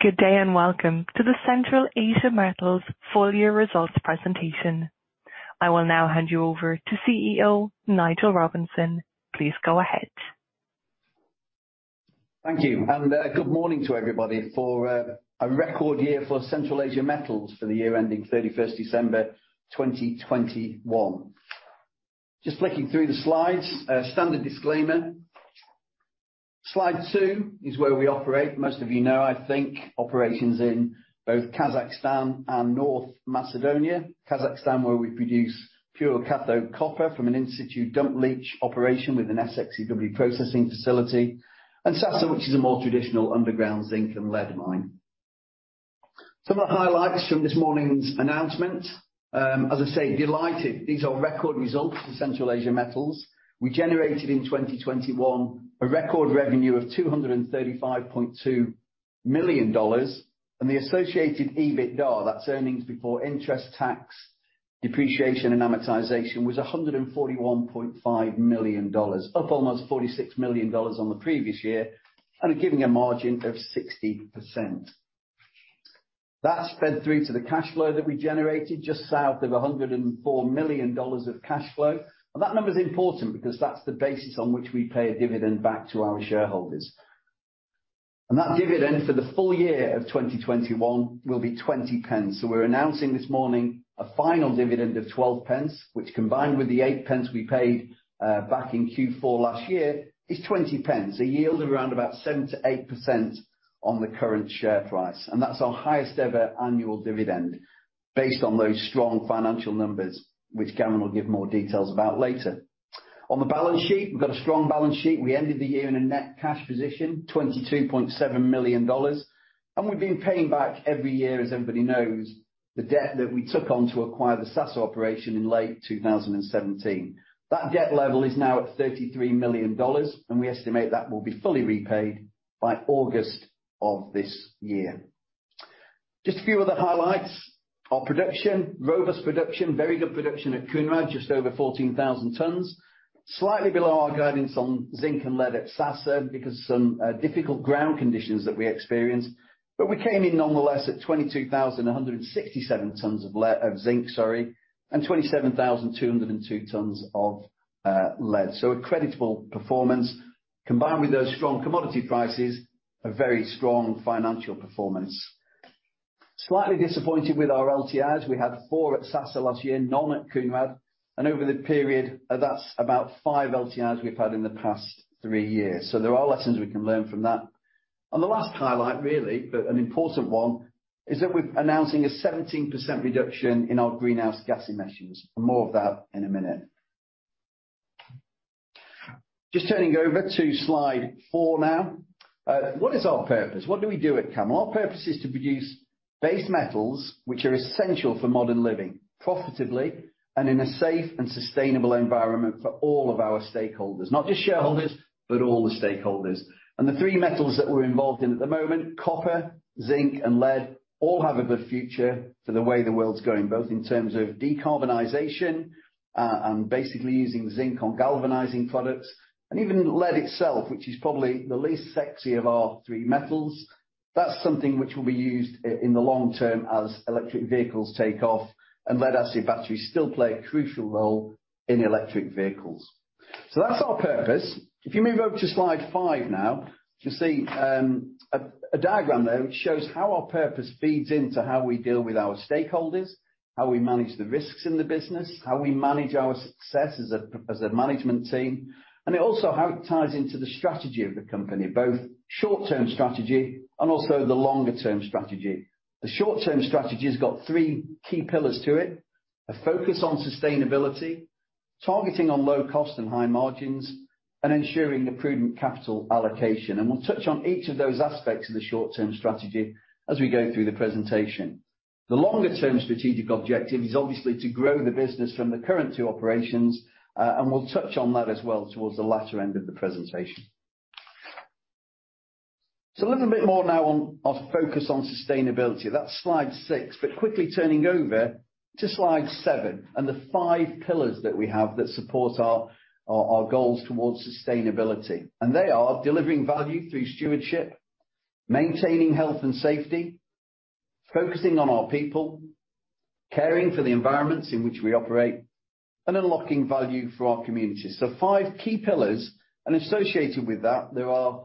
Good day and Welcome to the Central Asia Metals Full Year Results Presentation. I will now hand you over to CEO, Nigel Robinson. Please go ahead. Thank you, and good morning to everybody for a record year for Central Asia Metals for the year ending 31 December 2021. Just flicking through the slides. Standard disclaimer. Slide two is where we operate. Most of you know, I think, operations in both Kazakhstan and North Macedonia. Kazakhstan, where we produce pure cathode copper from an in-situ dump leach operation with an SXEW processing facility. Sasa, which is a more traditional underground zinc and lead mine. Some of the highlights from this morning's announcement, as I say, delighted. These are record results for Central Asia Metals. We generated, in 2021, a record revenue of $235.2 million, and the associated EBITDA, that's earnings before interest, tax, depreciation, and amortization, was $141.5 million, up almost $46 million on the previous year, and giving a margin of 60%. That fed through to the cash flow that we generated, just south of $104 million of cash flow. That number's important because that's the basis on which we pay a dividend back to our shareholders. That dividend for the full year of 2021 will be 0.20. We're announcing this morning a final dividend of 0.12, which combined with the 0.08 we paid back in Q4 last year, is 0.20, a yield of around about 7%-8% on the current share price. That's our highest ever annual dividend based on those strong financial numbers, which Gavin Ferrar will give more details about later. On the balance sheet, we've got a strong balance sheet. We ended the year in a net cash position, $22.7 million. We've been paying back every year, as everybody knows, the debt that we took on to acquire the Sasa operation in late 2017. That debt level is now at $33 million, and we estimate that will be fully repaid by August of this year. Just a few other highlights. Our production, robust production, very good production at Kounrad, just over 14,000 tons. Slightly below our guidance on zinc and lead at Sasa because some difficult ground conditions that we experienced. We came in nonetheless at 22,167 tons of zinc, sorry, and 27,202 tons of lead. A creditable performance. Combined with those strong commodity prices, a very strong financial performance. Slightly disappointed with our LTIs. We had four at Sasa last year, none at Kounrad, and over the period, that's about five LTIs we've had in the past three years. There are lessons we can learn from that. The last highlight, really, but an important one is that we're announcing a 17% reduction in our greenhouse gas emissions. More of that in a minute. Just turning over to slide four now. What is our purpose? What do we do at CAML? Our purpose is to produce base metals, which are essential for modern living, profitably and in a safe and sustainable environment for all of our stakeholders. Not just shareholders, but all the stakeholders. The three metals that we're involved in at the moment, copper, zinc, and lead, all have a good future for the way the world's going, both in terms of decarbonization, and basically using zinc on galvanizing products. Even lead itself, which is probably the least sexy of our three metals, that's something which will be used in the long term as electric vehicles take off and lead acid batteries still play a crucial role in electric vehicles. That's our purpose. If you move over to slide five now, you'll see a diagram there which shows how our purpose feeds into how we deal with our stakeholders, how we manage the risks in the business, how we manage our success as a management team, and it also how it ties into the strategy of the company, both short-term strategy and also the longer term strategy. The short-term strategy has got three key pillars to it, a focus on sustainability, targeting on low cost and high margins, and ensuring the prudent capital allocation. We'll touch on each of those aspects of the short-term strategy as we go through the presentation. The longer term strategic objective is obviously to grow the business from the current two operations, and we'll touch on that as well towards the latter end of the presentation. A little bit more now on focus on sustainability. That's slide six. Quickly turning over to slide seven and the five pillars that we have that support our goals towards sustainability. They are delivering value through stewardship, maintaining health and safety, focusing on our people, caring for the environments in which we operate, and unlocking value for our community. Five key pillars, and associated with that, there are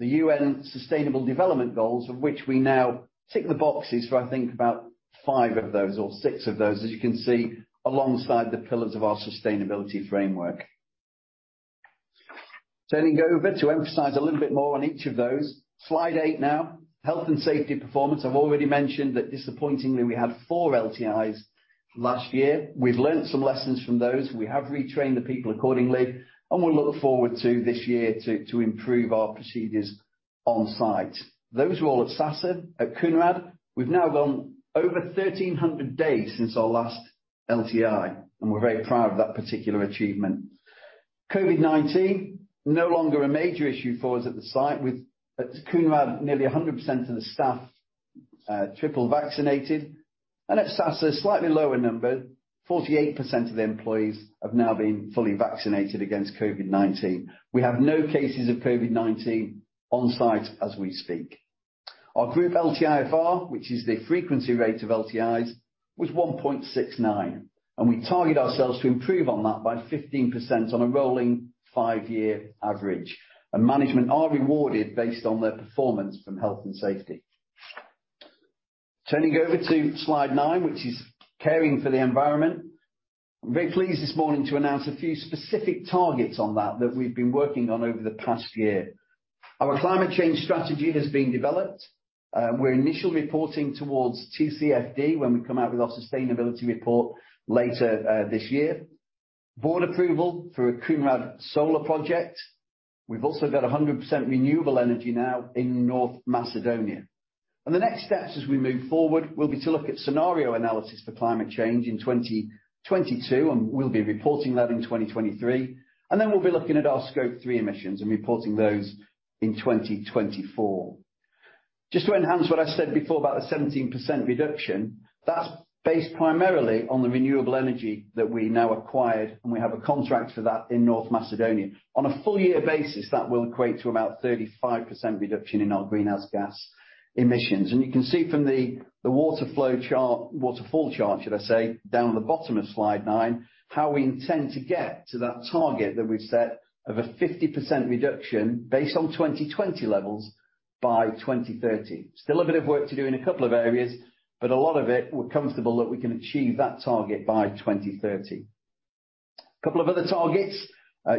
the UN Sustainable Development Goals, of which we now tick the boxes for, I think, about five of those or six of those, as you can see, alongside the pillars of our sustainability framework. Turning over to emphasize a little bit more on each of those, slide eight now. Health and safety performance. I've already mentioned that disappointingly we had four LTIs last year. We've learned some lessons from those. We have retrained the people accordingly, and we look forward to this year to improve our procedures on site. Those were all at Sasa. At Kounrad, we've now gone over 1,300 days since our last LTI, and we're very proud of that particular achievement. COVID-19 no longer a major issue for us at the site. At Kounrad, nearly 100% of the staff triple vaccinated. At Sasa, a slightly lower number, 48% of the employees have now been fully vaccinated against COVID-19. We have no cases of COVID-19 on site as we speak. Our group LTIFR, which is the frequency rate of LTIs, was 1.69, and we target ourselves to improve on that by 15% on a rolling five-year average. Management are rewarded based on their performance from health and safety. Turning over to slide nine, which is caring for the environment. I'm very pleased this morning to announce a few specific targets on that that we've been working on over the past year. Our climate change strategy has been developed. We're initially reporting towards TCFD when we come out with our sustainability report later this year. Board approval for the Kounrad solar project. We've also got 100% renewable energy now in North Macedonia. The next steps as we move forward will be to look at scenario analysis for climate change in 2022, and we'll be reporting that in 2023, and then we'll be looking at our Scope 3 emissions and reporting those in 2024. Just to enhance what I said before about the 17% reduction, that's based primarily on the renewable energy that we now acquired, and we have a contract for that in North Macedonia. On a full year basis, that will equate to about 35% reduction in our greenhouse gas emissions. You can see from the water flow chart, waterfall chart, should I say, down the bottom of slide nine, how we intend to get to that target that we've set of a 50% reduction based on 2020 levels by 2030. Still a bit of work to do in a couple of areas, but a lot of it we're comfortable that we can achieve that target by 2030. Couple of other targets.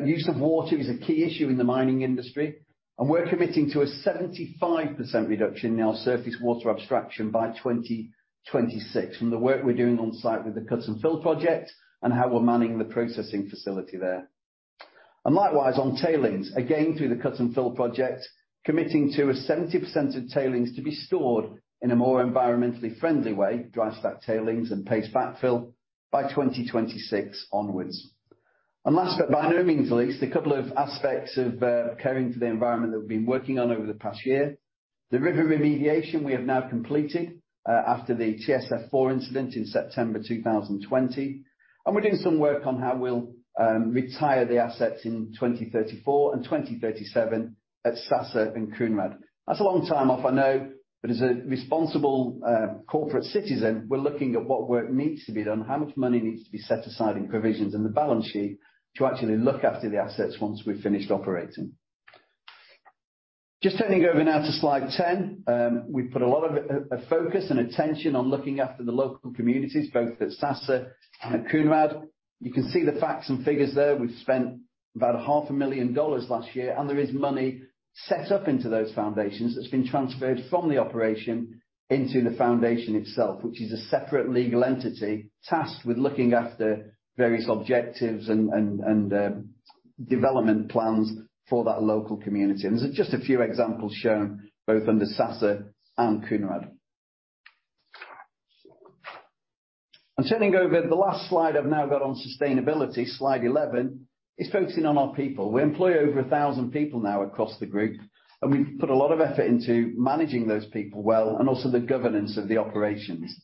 Use of water is a key issue in the mining industry, and we're committing to a 75% reduction in our surface water abstraction by 2026 from the work we're doing on site with the cut and fill project and how we're manning the processing facility there. Likewise, on tailings, again, through the cut and fill project, committing to 70% of tailings to be stored in a more environmentally friendly way, dry stack tailings and paste backfill by 2026 onwards. Last, but by no means least, a couple of aspects of caring for the environment that we've been working on over the past year. The river remediation we have now completed after the TSF4 incident in September 2020. We're doing some work on how we'll retire the assets in 2034 and 2037 at Sasa and Kounrad. That's a long time off, I know, but as a responsible corporate citizen, we're looking at what work needs to be done, how much money needs to be set aside in provisions in the balance sheet to actually look after the assets once we've finished operating. Just turning over now to slide 10. We've put a lot of focus and attention on looking after the local communities, both at Sasa and at Kounrad. You can see the facts and figures there. We've spent about half a million dollars last year, and there is money set up into those foundations that's been transferred from the operation into the foundation itself, which is a separate legal entity tasked with looking after various objectives and development plans for that local community. These are just a few examples shown both under Sasa and Kounrad. Turning over, the last slide I've now got on sustainability, slide 11, is focusing on our people. We employ over 1,000 people now across the group, and we've put a lot of effort into managing those people well and also the governance of the operations.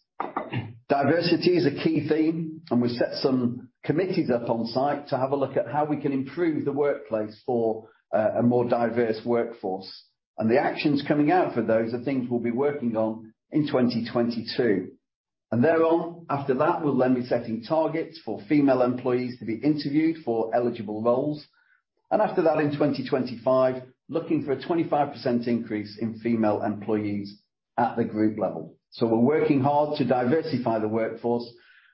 Diversity is a key theme, and we've set some committees up on site to have a look at how we can improve the workplace for a more diverse workforce. The actions coming out for those are things we'll be working on in 2022. Thereon, after that, we'll then be setting targets for female employees to be interviewed for eligible roles. After that, in 2025, we're looking for a 25% increase in female employees at the group level. We're working hard to diversify the workforce.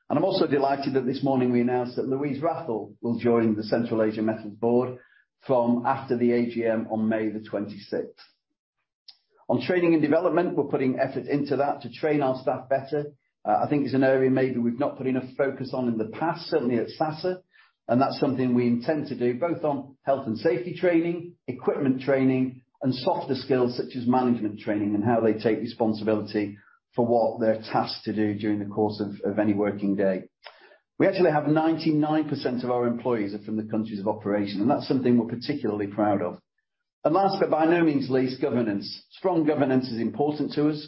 I'm also delighted that this morning we announced that Louise Wrathall will join the Central Asia Metals Board from after the AGM on May the 26th. On training and development, we're putting effort into that to train our staff better. I think it's an area maybe we've not put enough focus on in the past, certainly at Sasa, and that's something we intend to do, both on health and safety training, equipment training, and softer skills such as management training and how they take responsibility for what they're tasked to do during the course of any working day. We actually have 99% of our employees are from the countries of operation, and that's something we're particularly proud of. Last, but by no means least, governance. Strong governance is important to us.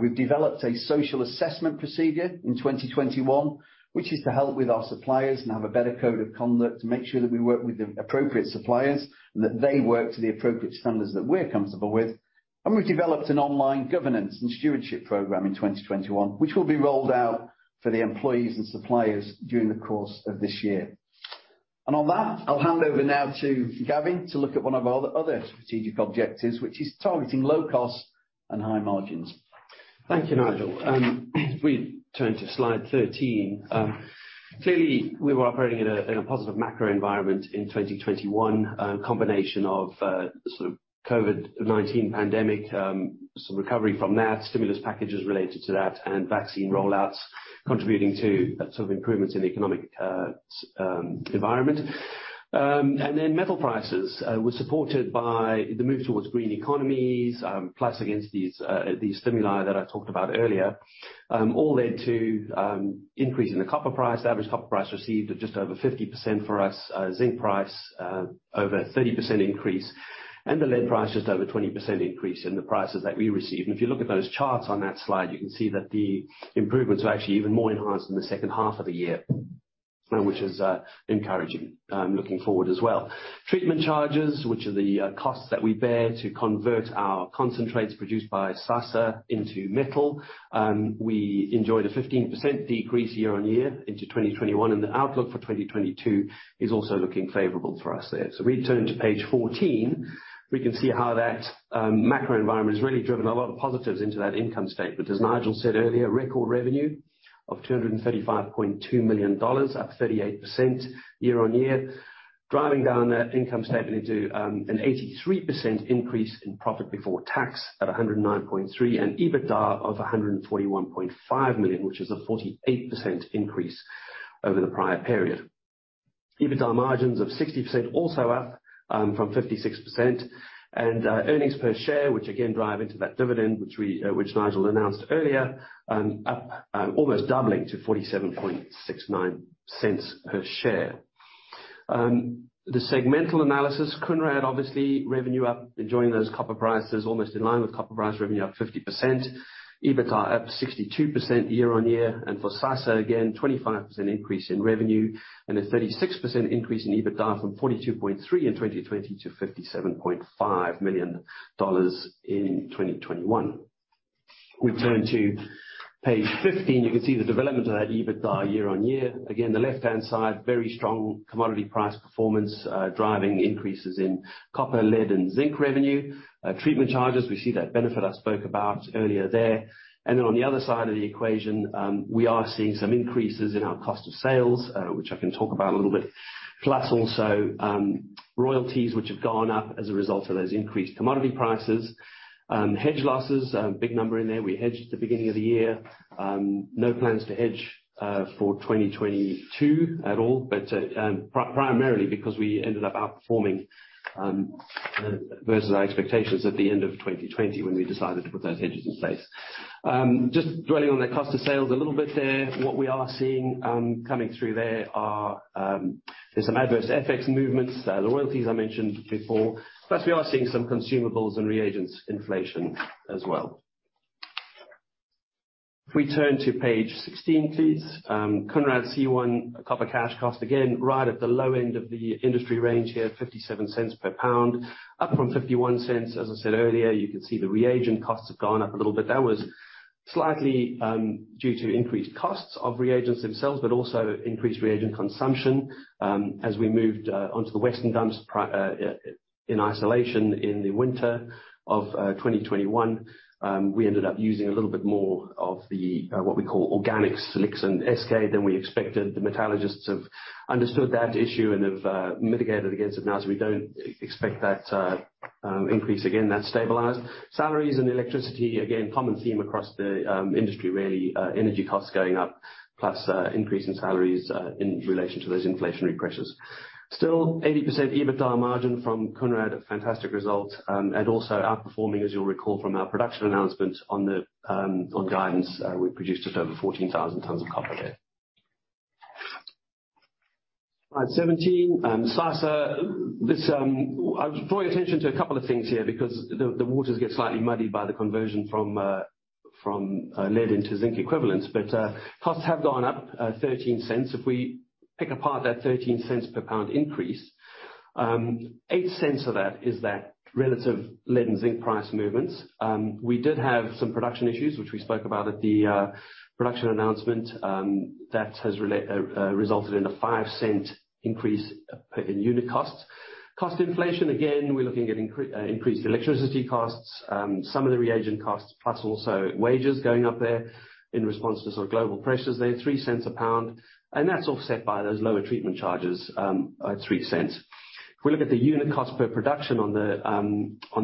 We've developed a social assessment procedure in 2021, which is to help with our suppliers and have a better code of conduct to make sure that we work with the appropriate suppliers, and that they work to the appropriate standards that we're comfortable with. We've developed an online Governance and Stewardship program in 2021, which will be rolled out for the employees and suppliers during the course of this year. On that, I'll hand over now to Gavin to look at one of our other strategic objectives, which is targeting low costs and high margins. Thank you, Nigel. If we turn to slide 13. Clearly, we were operating in a positive macro environment in 2021, a combination of sort of COVID-19 pandemic, some recovery from that, stimulus packages related to that, and vaccine rollouts contributing to sort of improvements in the economic environment. Metal prices were supported by the move towards green economies, plus against these stimuli that I talked about earlier, all led to increase in the copper price, average copper price received of just over 50% for us, zinc price over 30% increase, and the lead price just over 20% increase in the prices that we received. If you look at those charts on that slide, you can see that the improvements were actually even more enhanced in the second half of the year. Which is encouraging, looking forward as well. Treatment charges, which are the costs that we bear to convert our concentrates produced by Sasa into metal, we enjoy the 15% decrease year on year in 2021, and the outlook for 2022 is also looking favorable for us there. We turn to page 14, we can see how that macro environment has really driven a lot of positives into that income statement. As Nigel said earlier, record revenue of $235.2 million, up 38% year-on-year, driving down that income statement into an 83% increase in profit before tax at $109.3 million, and EBITDA of $141.5 million, which is a 48% increase over the prior period. EBITDA margins of 60% also up from 56%. Earnings per share, which again drive into that dividend which Nigel announced earlier, up almost doubling to $0.4769 per share. The segmental analysis, Kounrad obviously revenue up, enjoying those copper prices almost in line with copper price revenue up 50%, EBITDA up 62% year-on-year. For Sasa, again, 25% increase in revenue and a 36% increase in EBITDA from $42.3 million in 2020 to $57.5 million in 2021. We turn to page 15. You can see the development of that EBITDA year-on-year. Again, the left-hand side, very strong commodity price performance, driving increases in copper, lead and zinc revenue. Treatment charges, we see that benefit I spoke about earlier there. Then on the other side of the equation, we are seeing some increases in our cost of sales, which I can talk about a little bit. Plus also, royalties, which have gone up as a result of those increased commodity prices. Hedge losses, big number in there. We hedged at the beginning of the year. No plans to hedge for 2022 at all, but primarily because we ended up outperforming vs our expectations at the end of 2020 when we decided to put those hedges in place. Just dwelling on the cost of sales a little bit there. What we are seeing coming through there are some adverse FX movements, the royalties I mentioned before, plus we are seeing some consumables and reagents inflation as well. If we turn to page 16, please. Kounrad C1 copper cash cost, again, right at the low end of the industry range here, $0.57 per pound, up from $0.51. As I said earlier, you can see the reagent costs have gone up a little bit. That was slightly due to increased costs of reagents themselves, but also increased reagent consumption. As we moved onto the Western dumps in isolation in the winter of 2021, we ended up using a little bit more of the what we call organic slicks and SK than we expected. The metallurgists have understood that issue and have mitigated against it now, so we don't expect that increase again. That's stabilized. Salaries and electricity, again, common theme across the industry, really. Energy costs going up, plus, increase in salaries, in relation to those inflationary pressures. Still 80% EBITDA margin from Kounrad, a fantastic result, and also outperforming, as you'll recall, from our production announcement on guidance. We produced just over 14,000 tons of copper there. Slide 17, Sasa. This, I was drawing attention to a couple of things here because the waters get slightly muddied by the conversion from lead into zinc equivalents. Costs have gone up $0.13. If we pick apart that $0.13 per pound increase, $0.08 of that is that relative lead and zinc price movements. We did have some production issues, which we spoke about at the production announcement, that has resulted in a $0.05 increase in unit costs. Cost inflation, again, we're looking at increased electricity costs, some of the reagent costs, plus also wages going up there in response to sort of global pressures there, $0.03 a pound. That's offset by those lower treatment charges at $0.03. If we look at the unit cost per production on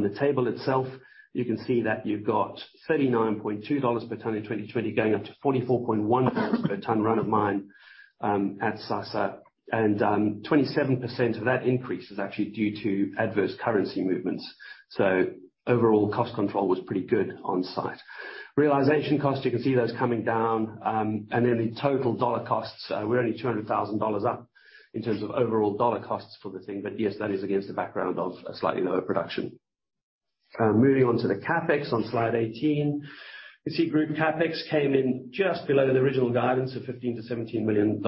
the table itself, you can see that you've got $39.2 per ton in 2020, going up to $44.1 per ton run of mine at Sasa. 27% of that increase is actually due to adverse currency movements. Overall cost control was pretty good on-site. Realization cost, you can see those coming down, and then the total dollar costs, we're only $200,000 up in terms of overall dollar costs for the thing. Yes, that is against the background of a slightly lower production. Moving on to the CapEx on slide 18. You see group CapEx came in just below the original guidance of $15 million-$17 million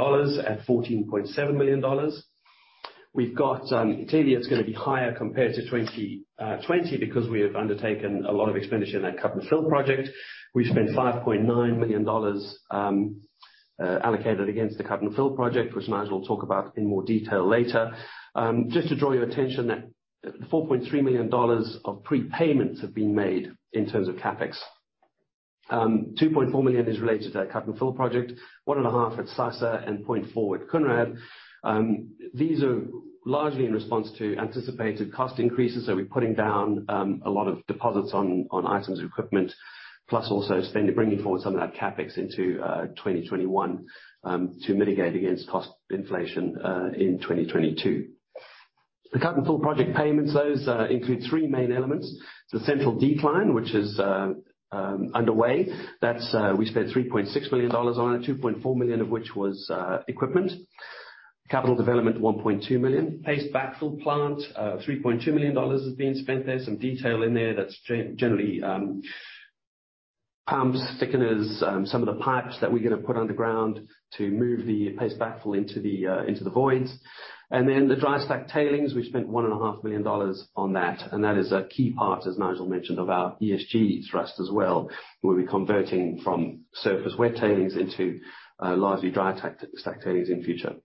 at $14.7 million. We've got clearly it's gonna be higher compared to 2020 because we have undertaken a lot of expenditure in that cut and fill project. We've spent $5.9 million allocated against the cut and fill project, which Nigel will talk about in more detail later. Just to draw your attention that $4.3 million of prepayments have been made in terms of CapEx. $2.4 million Is related to that cut and fill project, $1.5 million at Sasa and $0.4 million at Kounrad. These are largely in response to anticipated cost increases, so we're putting down a lot of deposits on items of equipment, plus also bringing forward some of that CapEx into 2021 to mitigate against cost inflation in 2022. The cut and fill project payments, those include three main elements. The Central Decline, which is underway. That's we spent $3.6 million on it, $2.4 million of which was equipment. Capital Development, $1.2 million. Paste Backfill plant, $3.2 million has been spent there. Some detail in there that's generally pumps, thickeners, some of the pipes that we're gonna put underground to move the paste backfill into the voids. Then the dry stack tailings, we've spent $1.5 million on that, and that is a key part, as Nigel mentioned, of our ESG thrust as well. We'll be converting from surface wet tailings into largely dry stack tailings in future.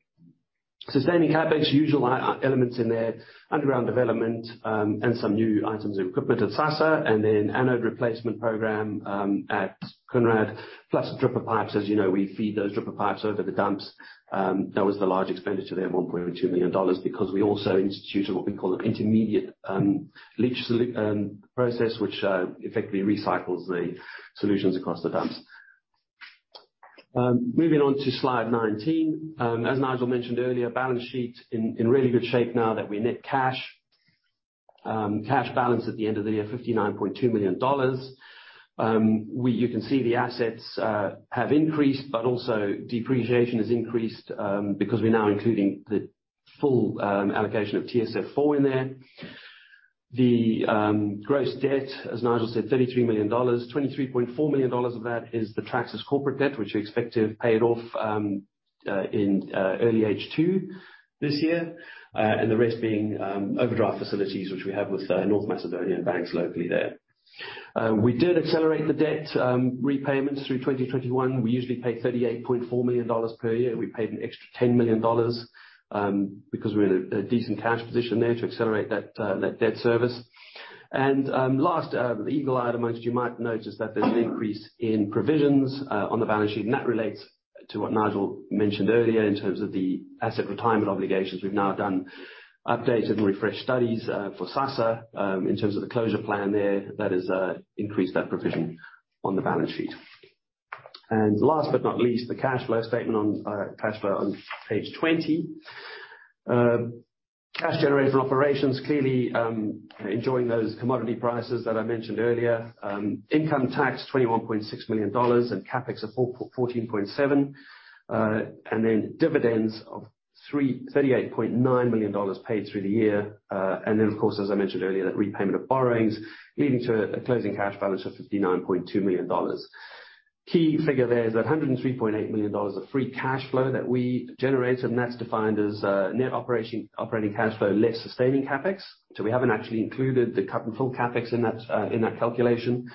Sustaining CapEx, usual items in there. Underground development and some new items of equipment at Sasa, and then anode replacement program at Kounrad, plus dripper pipes. As you know, we feed those dripper pipes over the dumps. That was the large expenditure there, $1.2 million because we also instituted what we call an intermediate leach solution process which effectively recycles the solutions across the dumps. Moving on to slide 19. As Nigel mentioned earlier, balance sheet in really good shape now that we're net cash. Cash balance at the end of the year, $59.2 million. You can see the assets have increased, but also depreciation has increased because we're now including the full allocation of TSF4 in there. The gross debt, as Nigel said, $33 million. $23.4 million of that is the Traxys corporate debt which we expect to have paid off in early H2 this year. The rest being overdraft facilities which we have with North Macedonia banks locally there. We did accelerate the debt repayments through 2021. We usually pay $38.4 million per year. We paid an extra $10 million because we're in a decent cash position there to accelerate that debt service. The eagle-eyed among you might notice that there's an increase in provisions on the balance sheet, and that relates to what Nigel mentioned earlier in terms of the asset retirement obligations. We've now done updated and refreshed studies for Sasa. In terms of the closure plan there, that has increased that provision on the balance sheet. Last but not least, the cash flow statement on cash flow on page 20. Cash generated from operations, clearly enjoying those commodity prices that I mentioned earlier. Income tax $21.6 million, and CapEx of $14.7 million. Dividends of $38.9 million paid through the year. Of course, as I mentioned earlier, that repayment of borrowings, leading to a closing cash balance of $59.2 million. Key figure there is that $103.8 million of free cash flow that we generated, and that's defined as net operating cash flow less sustaining CapEx. We haven't actually included the current full CapEx in that calculation.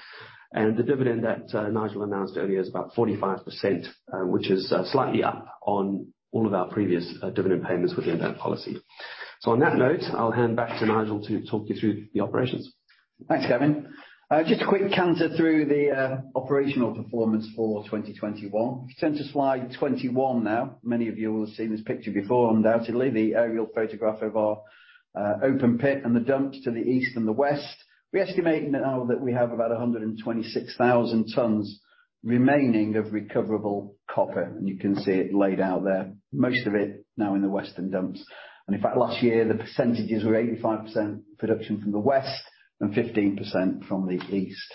The dividend that Nigel announced earlier is about 45%, which is slightly up on all of our previous dividend payments within that policy. On that note, I'll hand back to Nigel to talk you through the operations. Thanks, Gavin. Just a quick canter through the operational performance for 2021. If you turn to slide 21 now, many of you will have seen this picture before, undoubtedly. The aerial photograph of our open pit and the dumps to the east and the west. We estimate now that we have about 126,000 tons remaining of recoverable copper, and you can see it laid out there, most of it now in the western dumps. In fact, last year, the %s were 85% production from the west and 15% from the east.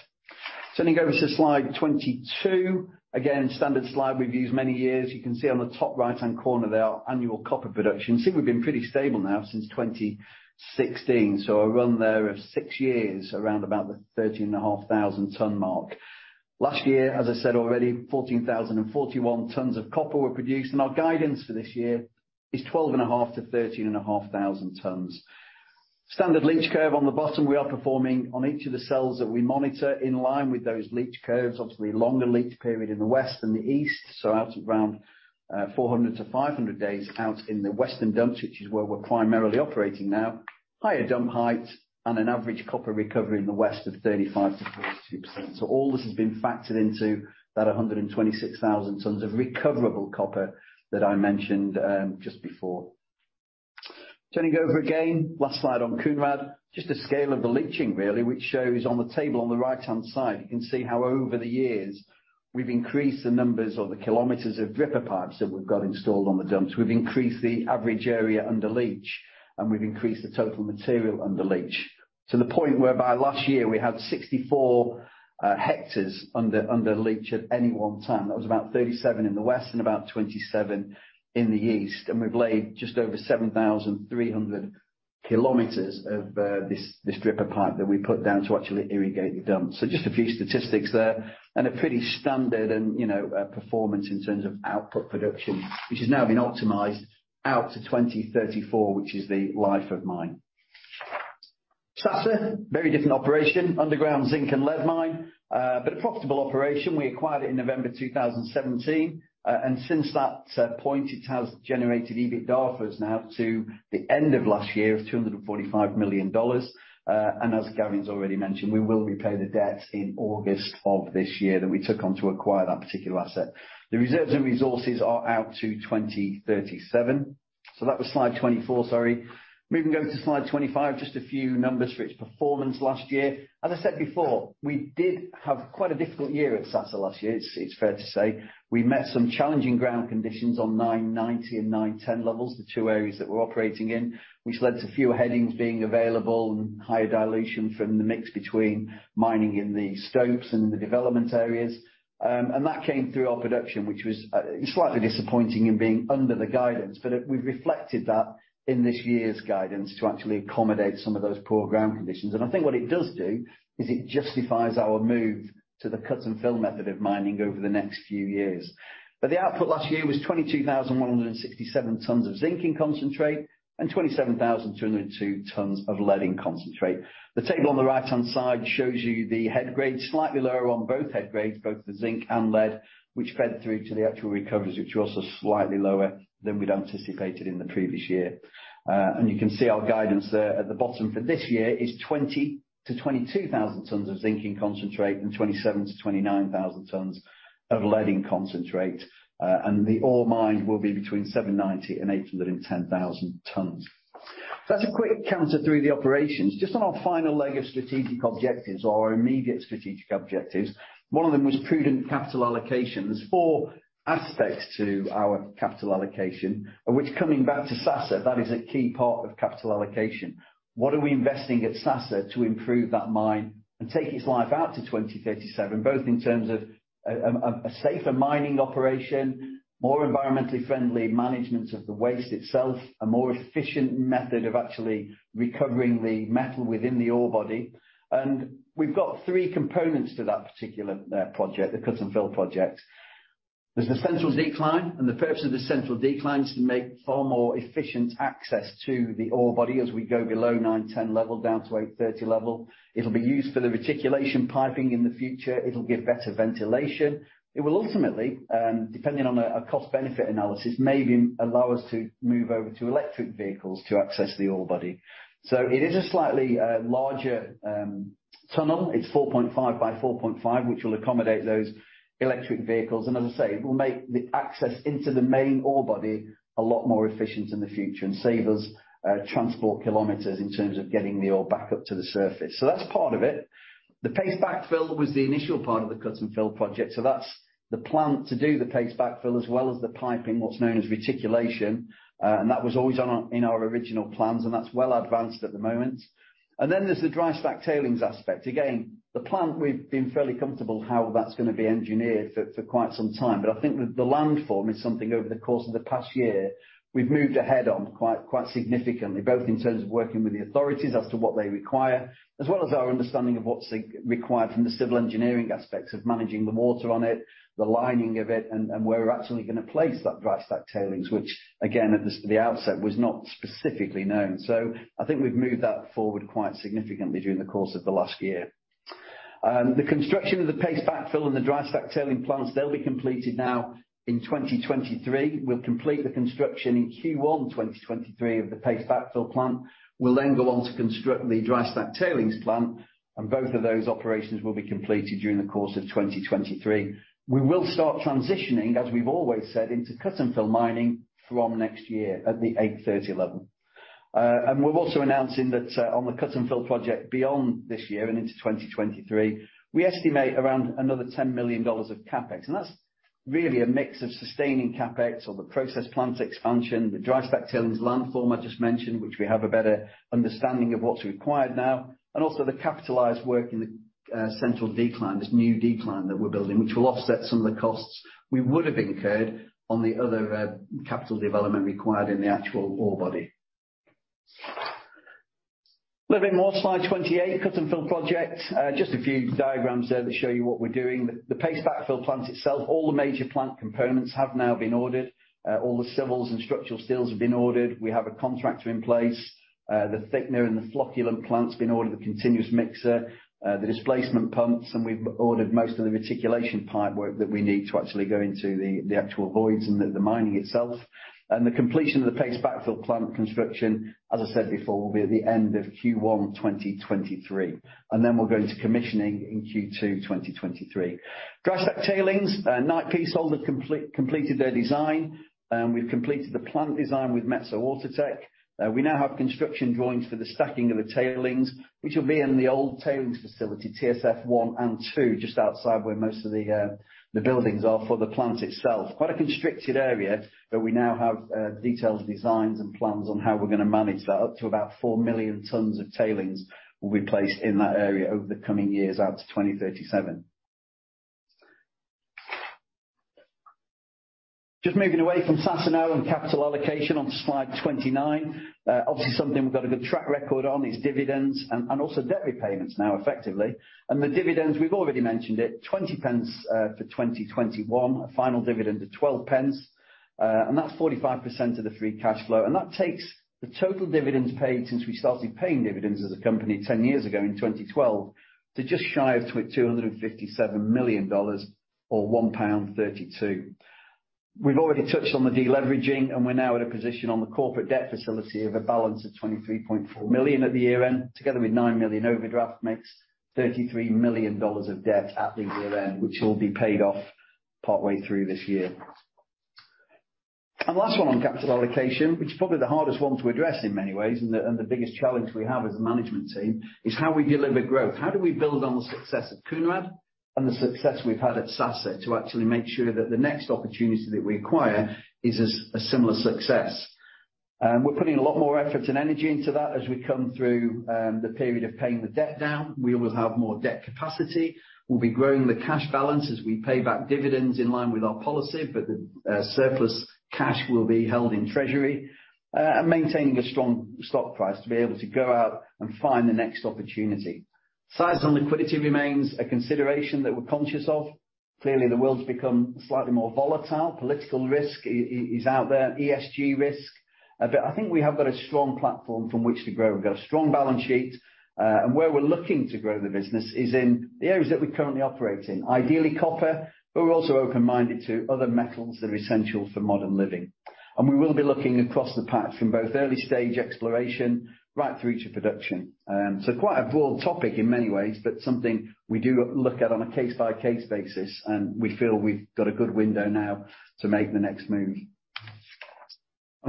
Turning over to slide 22. Again, standard slide we've used many years. You can see on the top right-hand corner there our annual copper production. We've been pretty stable now since 2016, so a run there of six years around about the 30,500 ton mark. Last year, as I said already, 14,041 tons of copper were produced, and our guidance for this year is 12,500-13,500 tons. Standard leach curve on the bottom, we are performing on each of the cells that we monitor in line with those leach curves. Obviously, longer leach period in the west than the east, so out around 400-500 days out in the western dumps, which is where we're primarily operating now. Higher dump height and an average copper recovery in the west of 35%-42%. All this has been factored into that 126,000 tons of recoverable copper that I mentioned just before. Turning over again, last slide on Kounrad. Just the scale of the leaching really, which shows on the table on the right-hand side. You can see how over the years we've increased the numbers or the kilometers of dripper pipes that we've got installed on the dumps. We've increased the average area under leach, and we've increased the total material under leach to the point where by last year we had 64 hectares under leach at any one time. That was about 37 in the west and about 27 in the east, and we've laid just over 7,300 km of this dripper pipe that we put down to actually irrigate the dumps. Just a few statistics there. A pretty standard and, you know, performance in terms of output production, which has now been optimized out to 2034, which is the life of mine. Sasa, very different operation. Underground zinc and lead mine, but a profitable operation. We acquired it in November 2017. And since that point, it has generated EBITDA for us now to the end of last year of $245 million. And as Gavin's already mentioned, we will repay the debt in August of this year that we took on to acquire that particular asset. The reserves and resources are out to 2037. That was slide 24, sorry. Moving over to slide 25, just a few numbers for its performance last year. As I said before, we did have quite a difficult year at Sasa last year, it's fair to say. We met some challenging ground conditions on 990 and 910 levels, the two areas that we're operating in, which led to fewer headings being available and higher dilution from the mix between mining in the stopes and the development areas. That came through our production, which was slightly disappointing in being under the guidance. We've reflected that in this year's guidance to actually accommodate some of those poor ground conditions. I think what it does do is it justifies our move to the cut and fill method of mining over the next few years. The output last year was 22,167 tons of zinc in concentrate and 27,202 tons of lead in concentrate. The table on the right-hand side shows you the head grade, slightly lower on both head grades, both the zinc and lead, which fed through to the actual recoveries, which were also slightly lower than we'd anticipated in the previous year. You can see our guidance there at the bottom for this year is 20,000-22,000 tons of zinc in concentrate and 27,000-29,000 tons of lead in concentrate. The ore mined will be between 790,000-810,000 tons. That's a quick run-through of the operations. Just on our final leg of strategic objectives or our immediate strategic objectives, one of them was prudent capital allocations. Four aspects to our capital allocation, which coming back to Sasa, that is a key part of capital allocation. What are we investing at Sasa to improve that mine and take its life out to 2037, both in terms of a safer mining operation, more environmentally friendly management of the waste itself, a more efficient method of actually recovering the metal within the ore body. We've got three components to that particular project, the cut and fill project. There's the Central Decline, and the purpose of the Central Decline is to make far more efficient access to the ore body as we go below 910 level down to 830 level. It'll be used for the reticulation piping in the future. It'll give better ventilation. It will ultimately, depending on a cost-benefit analysis, maybe allow us to move over to electric vehicles to access the ore body. It is a slightly larger tunnel. It's 4.5 by 4.5, which will accommodate those electric vehicles. As I say, it will make the access into the main ore body a lot more efficient in the future and save us transport kilometers in terms of getting the ore back up to the surface. That's part of it. The paste backfill was the initial part of the cut and fill Project, so that's the plan to do the paste backfill as well as the piping, what's known as reticulation. That was always in our original plans, and that's well advanced at the moment. Then there's the dry stack tailings aspect. Again, the plant, we've been fairly comfortable how that's gonna be engineered for quite some time. I think the landform is something over the course of the past year we've moved ahead on quite significantly, both in terms of working with the authorities as to what they require, as well as our understanding of what's required from the civil engineering aspects of managing the water on it, the lining of it, and where we're actually gonna place that dry stack tailings, which again, at the outset, was not specifically known. I think we've moved that forward quite significantly during the course of the last year. The construction of the paste backfill and the dry stack tailings plants, they'll be completed now in 2023. We'll complete the construction in Q1 2023 of the Paste Backfill plant. We'll then go on to construct the dry stack tailings plant, and both of those operations will be completed during the course of 2023. We will start transitioning, as we've always said, into cut-and-fill mining from next year at the 830 level. We're also announcing that on the cut and fill Project beyond this year and into 2023, we estimate around another $10 million of CapEx. That's really a mix of sustaining CapEx on the process plant expansion, the dry stack tailings landform I just mentioned, which we have a better understanding of what's required now, and also the capitalized work in the Central Decline, this new decline that we're building, which will offset some of the costs we would have incurred on the other capital development required in the actual ore body. A little bit more, slide 28, cut and fill Project. Just a few diagrams there that show you what we're doing. The Paste Backfill plant itself, all the major plant components have now been ordered. All the civils and structural steels have been ordered. We have a contractor in place. The thickener and the flocculant plant's been ordered, the continuous mixer, the displacement pumps, and we've ordered most of the reticulation pipework that we need to actually go into the actual voids and the mining itself. The completion of the paste Backfill plant construction, as I said before, will be at the end of Q1 2023. We'll go into commissioning in Q2 2023. Dry stack tailings, Knight Piésold have completed their design, and we've completed the plant design with Metso Outotec. We now have construction drawings for the stacking of the tailings, which will be in the old tailings facility, TSF 1 and 2, just outside where most of the buildings are for the plant itself. Quite a constricted area, but we now have detailed designs and plans on how we're gonna manage that. Up to about 4 million tons of tailings will be placed in that area over the coming years out to 2037. Just moving away from Sasa now and capital allocation on slide 29. Obviously something we've got a good track record on is dividends and also debt repayments now effectively. The dividends, we've already mentioned it, 0.20 for 2021, a final dividend of 0.12, and that's 45% of the free cash flow. That takes the total dividends paid since we started paying dividends as a company 10 years ago in 2012 to just shy of $257 million or £1.32. We've already touched on the deleveraging, and we're now at a position on the corporate debt facility of a balance of $23.4 million at the year-end, together with $9 million overdraft, makes $33 million of debt at the year-end, which will be paid off partway through this year. Last one on capital allocation, which is probably the hardest one to address in many ways and the biggest challenge we have as a management team, is how we deliver growth. How do we build on the success of Kounrad and the success we've had at Sasa to actually make sure that the next opportunity that we acquire is as a similar success? We're putting a lot more effort and energy into that as we come through the period of paying the debt down. We will have more debt capacity. We'll be growing the cash balance as we pay back dividends in line with our policy, but the surplus cash will be held in treasury and maintaining a strong stock price to be able to go out and find the next opportunity. Size on liquidity remains a consideration that we're conscious of. Clearly, the world's become slightly more volatile. Political risk is out there, ESG risk. But I think we have got a strong platform from which to grow. We've got a strong balance sheet. Where we're looking to grow the business is in the areas that we currently operate in. Ideally copper, but we're also open-minded to other metals that are essential for modern living. We will be looking across the patch from both early stage exploration right through to production. Quite a broad topic in many ways, but something we do look at on a case-by-case basis, and we feel we've got a good window now to make the next move.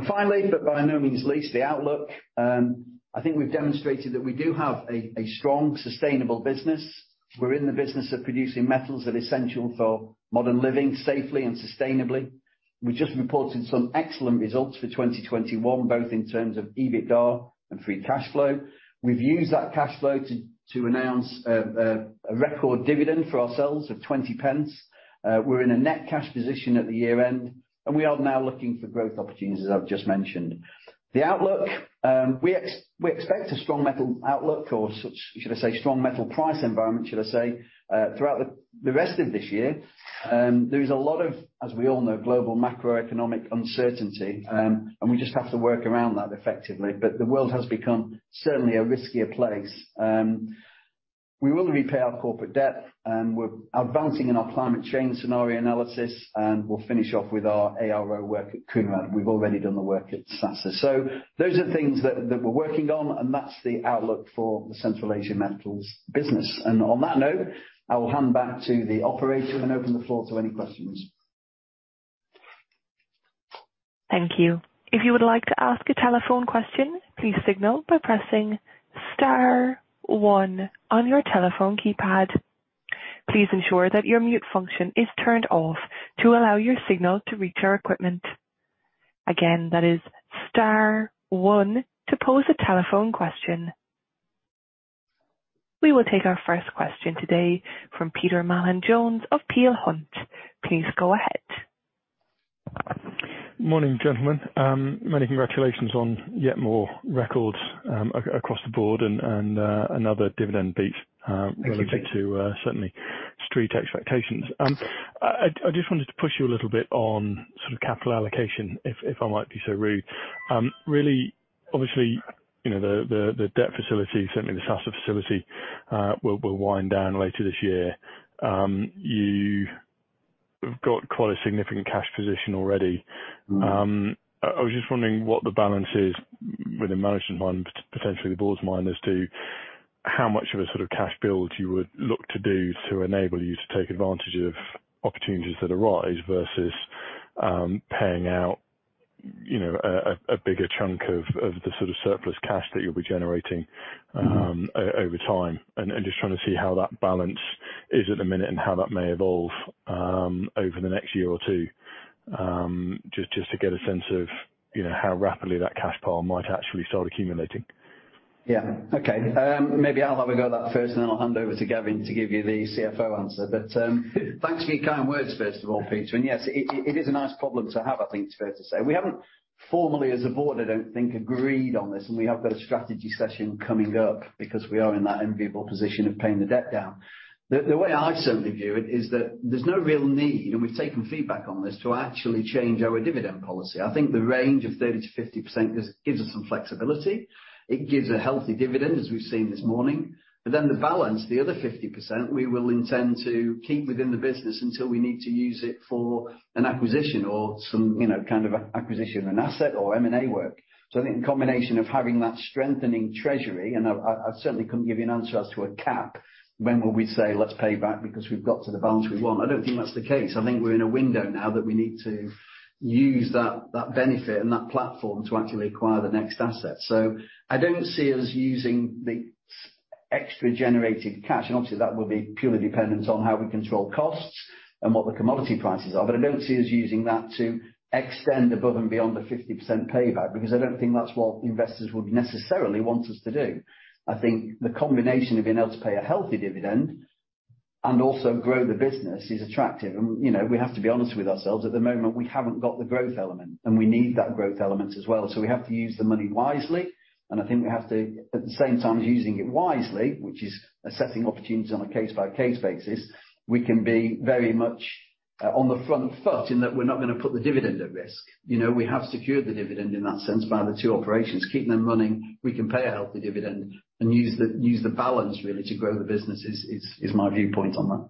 Finally, but by no means least, the outlook. I think we've demonstrated that we do have a strong, sustainable business. We're in the business of producing metals that are essential for modern living, safely and sustainably. We just reported some excellent results for 2021, both in terms of EBITDA and free cash flow. We've used that cash flow to announce a record dividend for ourselves of 0.20. We're in a net cash position at the year-end, and we are now looking for growth opportunities, as I've just mentioned. The outlook, we expect a strong metal outlook or should I say strong metal price environment, should I say, throughout the rest of this year. There is a lot of, as we all know, global macroeconomic uncertainty, and we just have to work around that effectively. The world has become certainly a riskier place. We will repay our corporate debt, and we're advancing in our climate change scenario analysis, and we'll finish off with our ARO work at Kounrad. We've already done the work at Sasa. Those are things that we're working on, and that's the outlook for the Central Asia Metals business. On that note, I will hand back to the operator and open the floor to any questions. Thank you. If you would like to ask a telephone question, please signal by pressing star one on your telephone keypad. Please ensure that your mute function is turned off to allow your signal to reach our equipment. Again, that is star one to pose a telephone question. We will take our first question today from Peter Mallin-Jones of Peel Hunt. Please go ahead. Morning, gentlemen. Many congratulations on yet more records across the board and another dividend beat. Thank you, Peter. Relative to certainly street expectations. I just wanted to push you a little bit on sort of capital allocation, if I might be so rude. Really, obviously, you know, the debt facility, certainly the Sasa facility, will wind down later this year. You've got quite a significant cash position already. Mm-hmm. I was just wondering what the balance is with the management's mind, potentially the board's mind, as to how much of a sort of cash build you would look to do to enable you to take advantage of opportunities that arise vs paying out a bigger chunk of the sort of surplus cash that you'll be generating? Mm-hmm Over time. Just trying to see how that balance is at the minute and how that may evolve over the next year or two, just to get a sense of, you know, how rapidly that cash pile might actually start accumulating. Yeah. Okay. Maybe I'll have a go at that first, and then I'll hand over to Gavin to give you the CFO answer. Thanks for your kind words, first of all, Peter. Yes, it is a nice problem to have, I think it's fair to say. We haven't formally as a board, I don't think, agreed on this, and we have got a strategy session coming up because we are in that enviable position of paying the debt down. The way I certainly view it is that there's no real need, and we've taken feedback on this, to actually change our dividend policy. I think the range of 30%-50% gives us some flexibility. It gives a healthy dividend, as we've seen this morning. The balance, the other 50%, we will intend to keep within the business until we need to use it for an acquisition or some, you know, kind of acquisition, an asset or M&A work. I think a combination of having that strengthening treasury, and I certainly couldn't give you an answer as to a cap, when will we say, let's pay back because we've got to the balance we want. I don't think that's the case. I think we're in a window now that we need to use that benefit and that platform to actually acquire the next asset. I don't see us using the extra generated cash. Obviously, that will be purely dependent on how we control costs and what the commodity prices are. I don't see us using that to extend above and beyond the 50% payback, because I don't think that's what investors would necessarily want us to do. I think the combination of being able to pay a healthy dividend and also grow the business is attractive. You know, we have to be honest with ourselves. At the moment, we haven't got the growth element, and we need that growth element as well. So we have to use the money wisely. I think we have to, at the same time as using it wisely, which is assessing opportunities on a case-by-case basis, we can be very much, on the front foot in that we're not gonna put the dividend at risk. You know, we have secured the dividend in that sense by the two operations, keeping them running. We can pay a healthy dividend and use the balance really to grow the business. Is my viewpoint on that.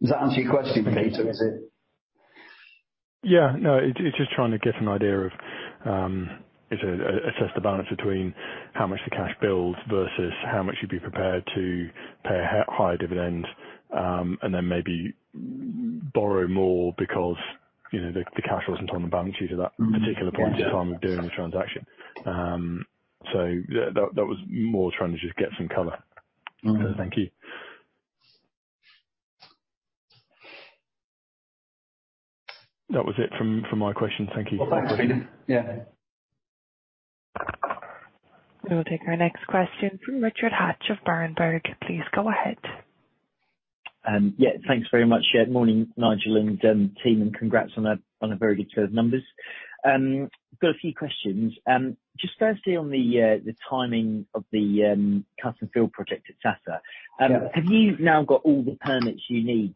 Does that answer your question, Peter? Is it? Yeah. No, it's just trying to get an idea of assess the balance between how much the cash builds vs how much you'd be prepared to pay a higher dividend, and then maybe borrow more because, you know, the cash wasn't on the balance sheet at that particular point in time of doing the transaction. That was more trying to just get some color. Mm-hmm. Thank you. That was it from my questions. Thank you. Well, thanks, Peter. Yeah. We'll take our next question from Richard Hatch of Berenberg. Please go ahead. Yeah, thanks very much. Yeah, morning, Nigel and team, and congrats on a very good set of numbers. Got a few questions. Just firstly on the timing of the cut and fill Project at Sasa. Yeah. Have you now got all the permits you need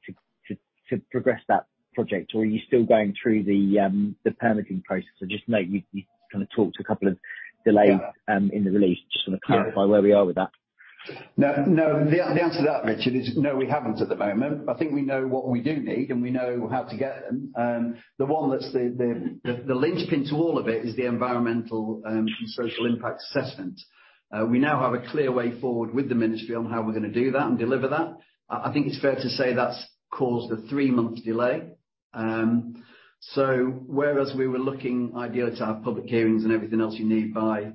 to progress that project, or are you still going through the permitting process? I just know you kinda talked a couple of delays. Yeah In the release. Just wanna clarify. Yeah Where we are with that. No, no, the answer to that, Richard, is no, we haven't at the moment. I think we know what we do need, and we know how to get them. The one that's the linchpin to all of it is the environmental and social impact assessment. We now have a clear way forward with the ministry on how we're gonna do that and deliver that. I think it's fair to say that's caused a three-month delay. Whereas we were looking ideally to have public hearings and everything else you need by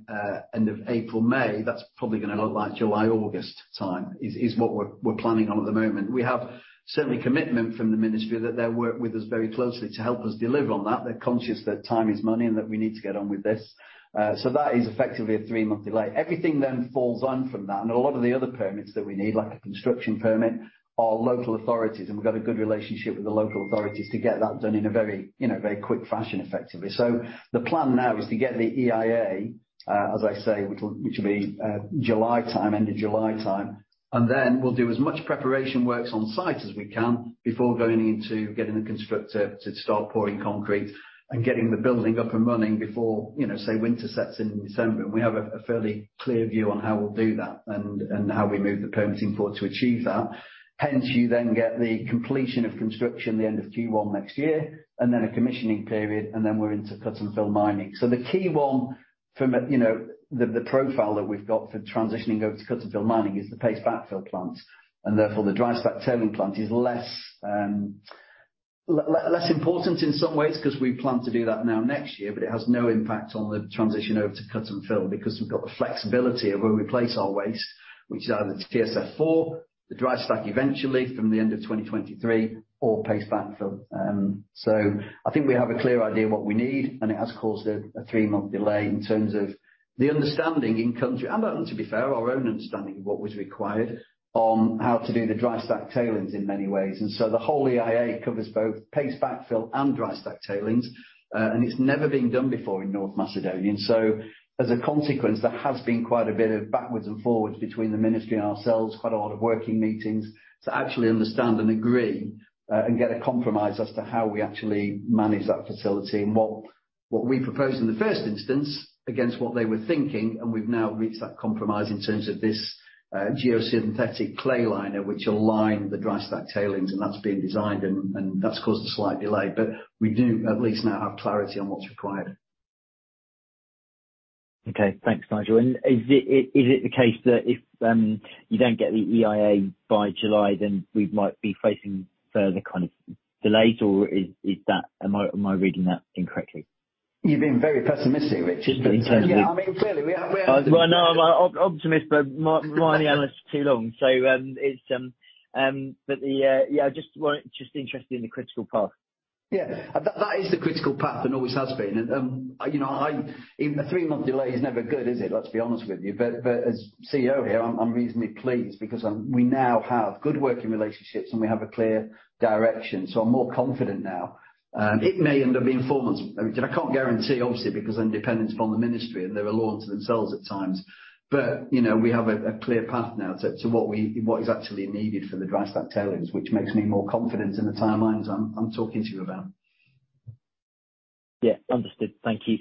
end of April, May, that's probably gonna look like July, August time, what we're planning on at the moment. We have certain commitment from the ministry that they'll work with us very closely to help us deliver on that. They're conscious that time is money and that we need to get on with this. That is effectively a three-month delay. Everything then falls on from that. A lot of the other permits that we need, like a construction permit, are local authorities, and we've got a good relationship with the local authorities to get that done in a very, you know, very quick fashion, effectively. The plan now is to get the EIA, as I say, which'll be July time, end of July time, and then we'll do as much preparation works on site as we can before going into getting the constructor to start pouring concrete and getting the building up and running before, you know, say, winter sets in December. We have a fairly clear view on how we'll do that and how we move the permitting forward to achieve that. Hence, you then get the completion of construction the end of Q1 next year, and then a commissioning period, and then we're into cut and fill mining. The key one from a, you know, the profile that we've got for transitioning over to cut and fill mining is the Paste Backfill plant, and therefore the dry stack tailings plant is less important in some ways 'cause we plan to do that in next year, but it has no impact on the transition over to cut and fill because we've got the flexibility of where we place our waste, which is either TSF4, the dry stack eventually from the end of 2023 or Paste Backfill. I think we have a clear idea what we need, and it has caused a three-month delay in terms of the understanding in country, and to be fair, our own understanding of what was required on how to do the dry stack tailings in many ways. The whole EIA covers both paste backfill and dry stack tailings, and it's never been done before in North Macedonia. As a consequence, there has been quite a bit of backwards and forwards between the ministry and ourselves, quite a lot of working meetings to actually understand and agree, and get a compromise as to how we actually manage that facility. What we proposed in the first instance against what they were thinking, and we've now reached that compromise in terms of this geosynthetic clay liner which will line the dry stack tailings, and that's been designed and that's caused a slight delay. We do at least now have clarity on what's required. Okay. Thanks, Nigel. Is it the case that if you don't get the EIA by July, then we might be facing further kind of delays, or is that? Am I reading that incorrectly? You're being very pessimistic, Richard. Just in terms of. I mean, clearly we are. Well, no, I'm an optimist, but my analysis is too long. Just interested in the critical path. Yeah. That is the critical path and always has been. Even a three-month delay is never good, is it? Let's be honest with you. But as CEO here, I'm reasonably pleased because we now have good working relationships, and we have a clear direction, so I'm more confident now. It may end up being four months. I mean, I can't guarantee obviously because I'm dependent upon the ministry, and they're a law unto themselves at times. You know, we have a clear path now to what is actually needed for the dry stack tailings, which makes me more confident in the timelines I'm talking to you about. Yeah. Understood. Thank you.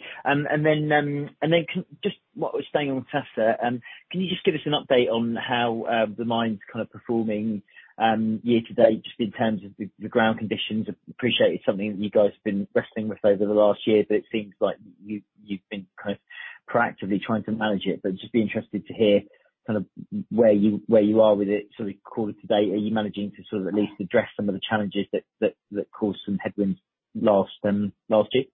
Just what we're saying on Sasa, can you just give us an update on how the mine's kind of performing, year to date, just in terms of the ground conditions? I appreciate something that you guys have been wrestling with over the last year, but it seems like you've been kind of proactively trying to manage it. I'd just be interested to hear kind of where you are with it, sort of quarter to date. Are you managing to sort of at least address some of the challenges that caused some headwinds last year?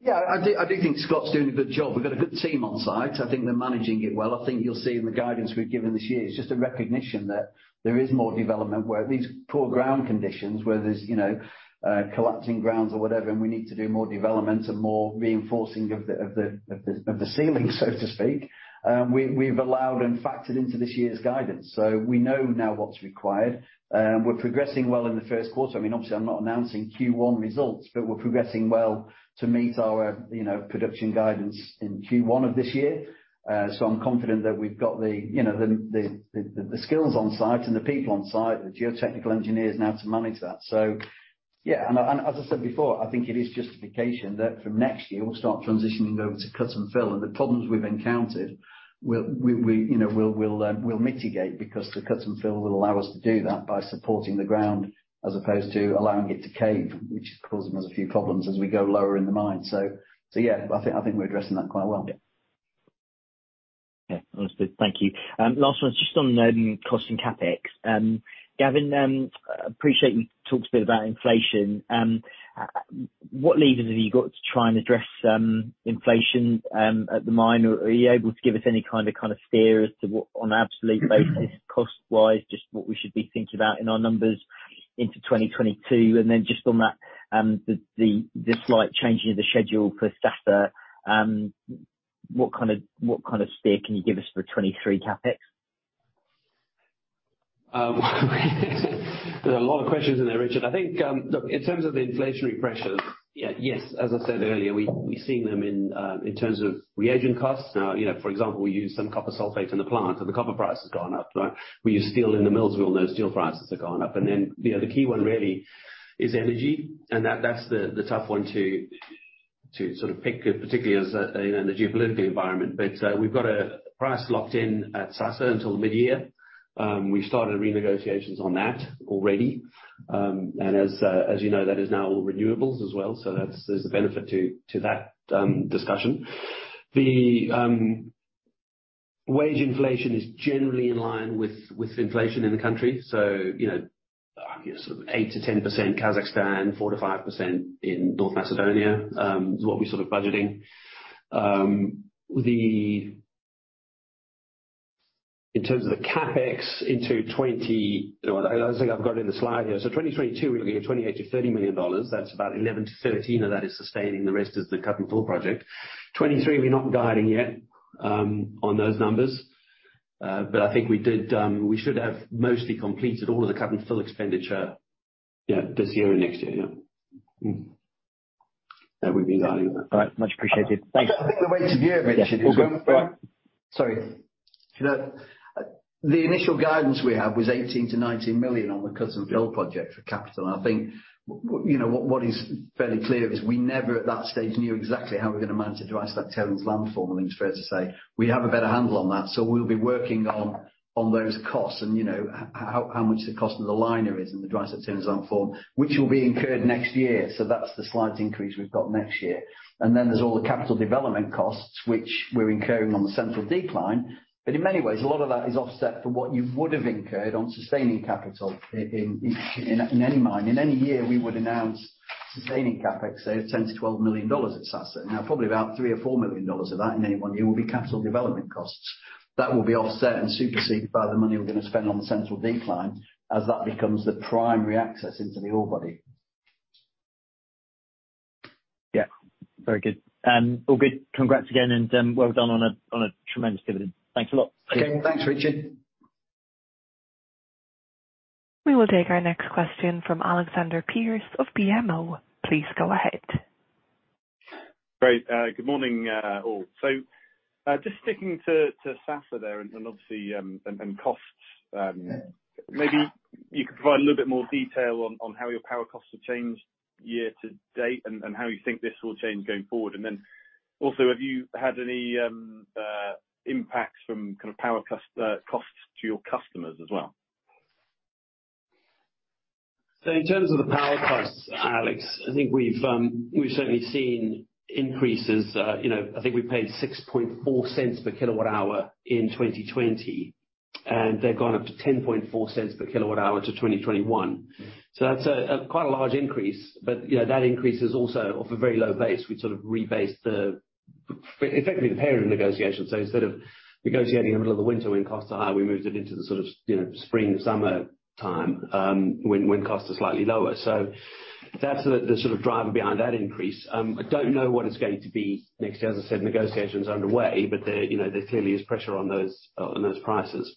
Yeah, I do, I do think Scott's doing a good job. We've got a good team on site. I think they're managing it well. I think you'll see in the guidance we've given this year, it's just a recognition that there is more development work. These poor ground conditions, where there's, you know, collapsing grounds or whatever, and we need to do more development and more reinforcing of the ceiling, so to speak, we've allowed and factored into this year's guidance. So we know now what's required. We're progressing well in the first quarter. I mean, obviously I'm not announcing Q1 results, but we're progressing well to meet our, you know, production guidance in Q1 of this year. I'm confident that we've got the, you know, the skills on site and the people on site, the geotechnical engineers now to manage that. Yeah. As I said before, I think it is justification that from next year we'll start transitioning over to cut and fill. The problems we've encountered we'll, you know, we'll mitigate because the cut-and-fill will allow us to do that by supporting the ground as opposed to allowing it to cave, which causes us a few problems as we go lower in the mine. Yeah, I think we're addressing that quite well. Yeah. Understood. Thank you. Last one is just on cost and CapEx. Gavin, appreciate you talked a bit about inflation. What levers have you got to try and address inflation at the mine? Are you able to give us any kind of steer as to what on absolute basis cost-wise, just what we should be thinking about in our numbers into 2022? Just on that, the slight changing of the schedule for Sasa. What kind of steer can you give us for 2023 CapEx? There are a lot of questions in there, Richard. I think, look, in terms of the inflationary pressures, yes, as I said earlier, we've seen them in terms of reagent costs. Now, you know, for example, we use some copper sulfate in the plant, and the copper price has gone up. We use steel in the mills. We all know steel prices have gone up. You know, the key one really is energy. That's the tough one to sort of pick, particularly in a geopolitical environment. We've got a price locked in at Sasa until midyear. We started renegotiations on that already. As you know, that is now all renewables as well. There's a benefit to that discussion. The wage inflation is generally in line with inflation in the country. You know, I guess 8%-10% Kazakhstan, 4%-5% in North Macedonia is what we're sort of budgeting. In terms of the CapEx. Well, I think I've got it in the slide here. 2022, we're looking at $28 million-$30 million. That's about 11-13 of that is sustaining. The rest is the cut and fill project. 2023, we're not guiding yet on those numbers. But I think we should have mostly completed all of the cut and fill expenditure this year and next year. That will be guiding that. All right. Much appreciated. Thanks. I think the way the year mentioned is when. Yeah. All good. Sorry. Sorry. The initial guidance we had was $18 million-$19 million on the cut and fill Project for capital. I think what is fairly clear is we never, at that stage, knew exactly how we're gonna manage to dry stack tailings landform. I think it's fair to say. We have a better handle on that, so we'll be working on those costs and, you know, how much the cost of the liner is and the dry stack tailings landform, which will be incurred next year. That's the slight increase we've got next year. Then there's all the capital development costs which we're incurring on the Central Decline. In many ways, a lot of that is offset for what you would have incurred on sustaining capital in any mine. In any year, we would announce sustaining CapEx, say, of $10 million-$12 million at Sasa. Now, probably about $3 million or $4 million of that in any one year will be capital development costs. That will be offset and superseded by the money we're gonna spend on the Central Decline as that becomes the primary access into the ore body. Yeah. Very good. All good. Congrats again, and well done on a tremendous dividend. Thanks a lot. Okay. Thanks, Richard. We will take our next question from Alexander Pearce of BMO. Please go ahead. Great. Good morning, all. Just sticking to Sasa there and obviously costs, maybe you could provide a little bit more detail on how your power costs have changed year to date and how you think this will change going forward. Have you had any impacts from kind of power costs to your customers as well? In terms of the power costs, Alex, I think we've certainly seen increases. You know, I think we paid $0.064 per kWh in 2020, and they've gone up to $0.104 per kWh in 2021. That's a quite large increase. You know, that increase is also off a very low base. We sort of rebased the effectively the period of negotiation. Instead of negotiating in the middle of the winter when costs are high, we moved it into the sort of, you know, spring/summer time, when costs are slightly lower. That's the sort of driver behind that increase. I don't know what it's going to be next year. As I said, negotiation is underway, but there, you know, there clearly is pressure on those prices.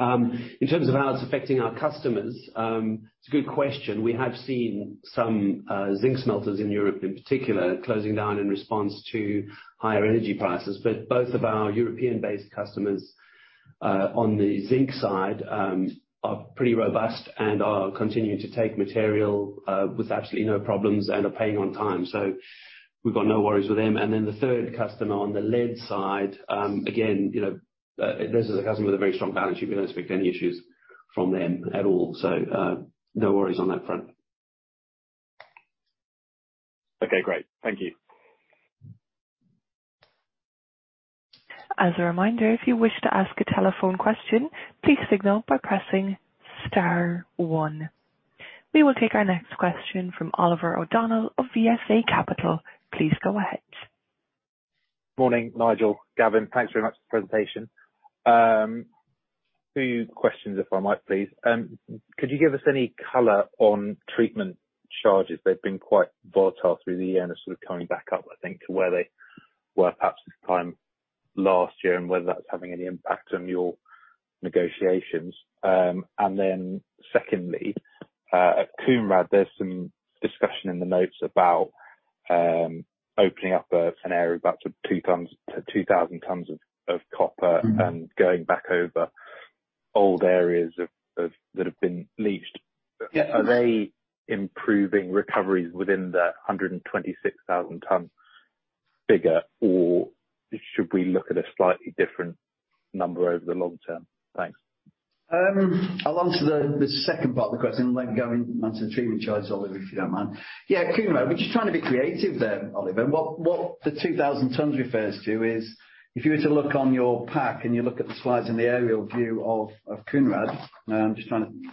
In terms of how it's affecting our customers, it's a good question. We have seen some zinc smelters in Europe in particular closing down in response to higher energy prices. Both of our European-based customers on the zinc side are pretty robust and are continuing to take material with absolutely no problems and are paying on time. We've got no worries with them. Then the third customer on the lead side, again, you know, this is a customer with a very strong balance sheet. We don't expect any issues from them at all. No worries on that front. Okay, great. Thank you. As a reminder, if you wish to ask a telephone question, please signal by pressing star one. We will take our next question from Oliver O'Donnell of VSA Capital. Please go ahead. Morning, Nigel, Gavin. Thanks very much for the presentation. Two questions if I might, please. Could you give us any color on treatment charges? They've been quite volatile through the year and are sort of coming back up, I think, to where they were perhaps this time last year and whether that's having any impact on your negotiations. Secondly, at Kounrad, there's some discussion in the notes about opening up a scenario about 2,000 tons of copper- Mm-hmm. Going back over old areas that have been leached. Yeah. Are they improving recoveries within the 126,000 ton figure, or should we look at a slightly different number over the long term? Thanks. I'll answer the second part of the question and let Gavin answer the treatment charges, Oliver, if you don't mind. Yeah, Kounrad, we're just trying to be creative there, Oliver. What the 2,000 tons refers to is if you were to look on your pack and you look at the slides in the aerial view of Kounrad. Now I'm just trying to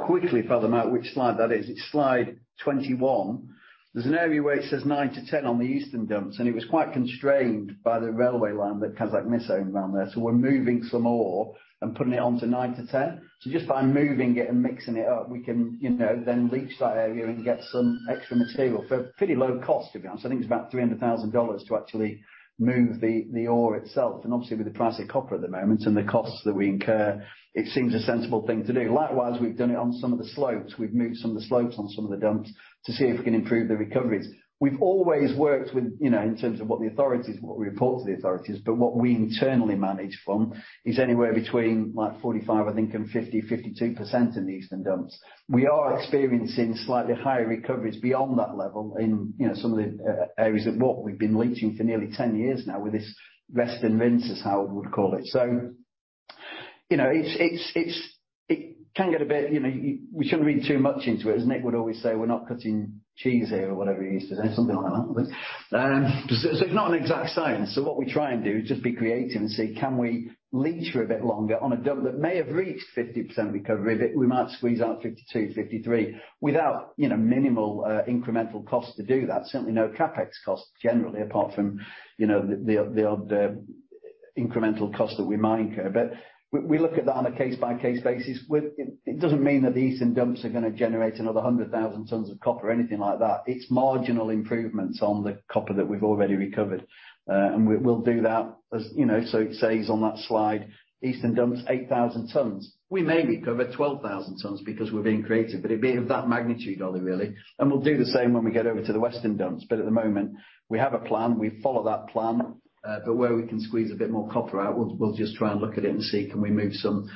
quickly found out which slide that is. It's slide 21. There's an area where it says nine to 10 on the eastern dumps, and it was quite constrained by the railway line that comes by Mynaral around there. We're moving some ore and putting it onto nine to 10. Just by moving it and mixing it up, we can, you know, then leach that area and get some extra material for pretty low cost, to be honest. I think it's about $300,000 to actually move the ore itself. Obviously, with the price of copper at the moment and the costs that we incur, it seems a sensible thing to do. Likewise, we've done it on some of the slopes. We've moved some of the slopes on some of the dumps to see if we can improve the recoveries. We've always worked with, you know, in terms of what the authorities, what we report to the authorities. What we internally manage from is anywhere between, like, 45%, I think, and 50%, 52% in the eastern dumps. We are experiencing slightly higher recoveries beyond that level in, you know, some of the areas of what we've been leaching for nearly 10 years now with this rest and rinse, is how we would call it. You know, it can get a bit. You know, we shouldn't read too much into it, as Nick would always say, we're not cutting cheese here or whatever he used to say, something like that. It's not an exact science. What we try and do is just be creative and see can we leach for a bit longer on a dump that may have reached 50% recovery, but we might squeeze out 52%, 53% without, you know, minimal incremental cost to do that. Certainly no CapEx costs generally, apart from, you know, the incremental cost that we might incur. We look at that on a case-by-case basis. It doesn't mean that the eastern dumps are gonna generate another 100,000 tons of copper or anything like that. It's marginal improvements on the copper that we've already recovered. We'll do that, as, you know, so it says on that slide, eastern dumps, 8,000 tons. We may recover 12,000 tons because we're being creative, but it'd be of that magnitude, Ollie, really. We'll do the same when we get over to the western dumps. At the moment, we have a plan. We follow that plan. Where we can squeeze a bit more copper out, we'll just try and look at it and see can we move some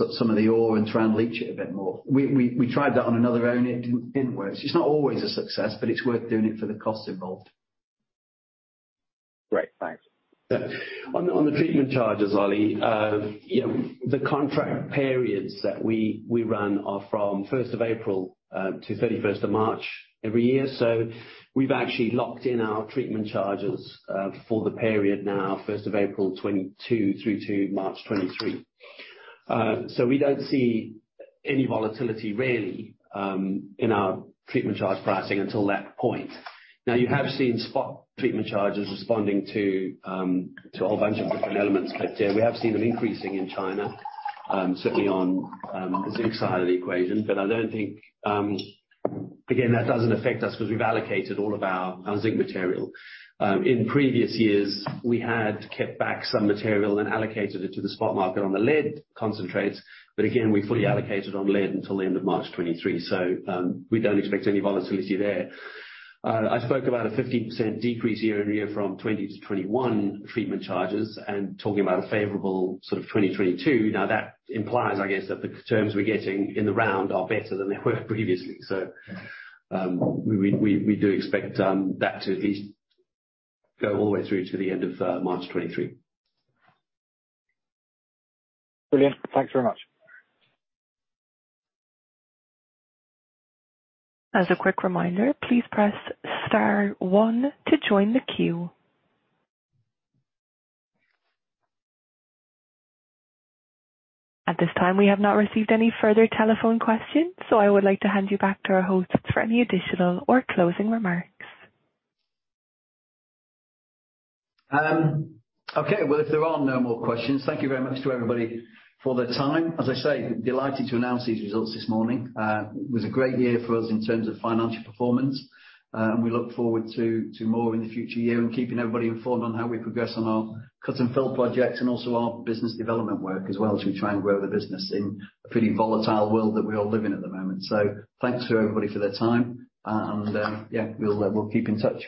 of the ore and try and leach it a bit more. We tried that on another area, and it didn't work. It's not always a success, but it's worth doing it for the cost involved. Great. Thanks. On the treatment charges, Ollie, you know, the contract periods that we run are from first of April to 31st of March every year. We've actually locked in our treatment charges for the period now, first of April 2022 through to March 2023. We don't see any volatility really in our treatment charge pricing until that point. Now, you have seen spot treatment charges responding to a whole bunch of different elements out there. We have seen an increase in China certainly on the zinc side of the equation. I don't think again, that doesn't affect us 'cause we've allocated all of our zinc material. In previous years, we had kept back some material and allocated it to the spot market on the lead concentrates. Again, we fully allocated on lead until the end of March 2023. We don't expect any volatility there. I spoke about a 15% decrease year-on-year from 2020-2021 treatment charges, talking about a favorable sort of 2022. Now, that implies, I guess, that the terms we're getting in the round are better than they were previously. We do expect that to at least go all the way through to the end of March 2023. Brilliant. Thanks very much. As a quick reminder, please press star one to join the queue. At this time, we have not received any further telephone questions, so I would like to hand you back to our host for any additional or closing remarks. Okay. Well, if there are no more questions, thank you very much to everybody for their time. As I say, delighted to announce these results this morning. It was a great year for us in terms of financial performance, and we look forward to more in the future year and keeping everybody informed on how we progress on our cut and fill projects and also our business development work as well to try and grow the business in a pretty volatile world that we all live in at the moment. Thanks to everybody for their time. We'll keep in touch.